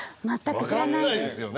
分かんないですよね？